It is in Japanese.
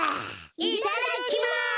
いただきます。